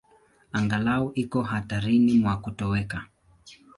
Angalau iko hatarini mwa kutoweka.